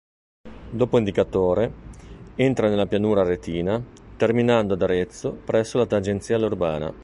Dopo Indicatore, entra nella pianura aretina, terminando ad Arezzo, presso la tangenziale urbana.